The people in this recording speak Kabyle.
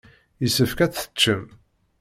Yessefk ad teččem.